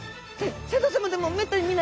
船長さまでもめったに見ない？